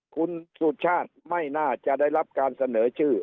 คุณสุชาติไม่น่าจะได้รับการเสนอชื่อ